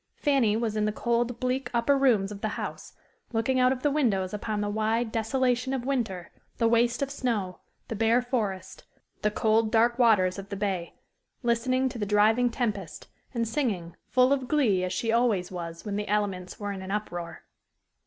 Fanny was in the cold, bleak upper rooms of the house, looking out of the windows upon the wide desolation of winter, the waste of snow, the bare forest, the cold, dark waters of the bay listening to the driving tempest, and singing, full of glee as she always was when the elements were in an uproar.